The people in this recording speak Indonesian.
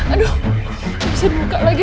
aduh bisa dibuka lagi